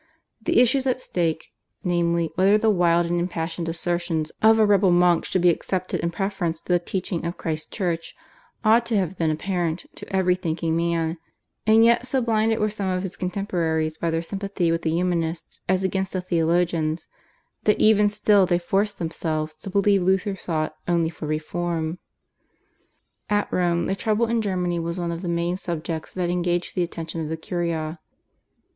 The issues at stake, namely, whether the wild and impassioned assertions of a rebel monk should be accepted in preference to the teaching of Christ's Church, ought to have been apparent to every thinking man; and yet so blinded were some of his contemporaries by their sympathy with the Humanists as against the Theologians, that even still they forced themselves to believe Luther sought only for reform. At Rome the trouble in Germany was one of the main subjects that engaged the attention of the Curia.